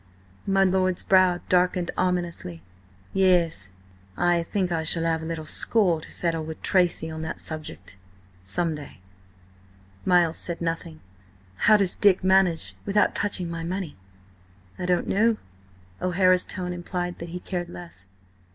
My lord's brow darkened ominously. "Ye s. I think I shall have a little score to settle with Tracy on that subject–some day." Miles said nothing. "But how does Dick manage without touching my money?" "I do not know." O'Hara's tone implied that he cared less.